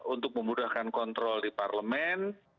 untuk memudahkan kontrol di parlemen